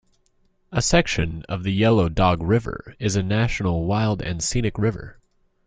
A section of the Yellow Dog River is a National Wild and Scenic River.